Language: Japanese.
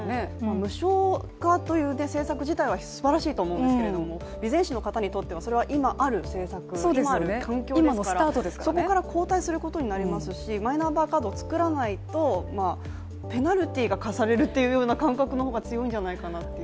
無償化という政策自体はすばらしいと思うんですけれども備前市の方にとっては、それは今ある政策、今ある環境ですから、そこから後退することになりますし、マイナンバーカードを作らないとペナルティが科されるという感覚の方が強いんじゃないかなという。